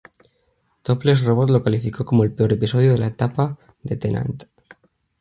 Topless Robot lo calificó como el peor episodio de la etapa de Tennant.